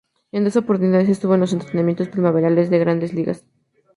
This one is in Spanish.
En dos oportunidades estuvo en los entrenamientos primaverales de Grandes Ligas.